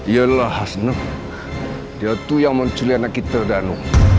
yalah hasnah dia itu yang menculik anak kita danu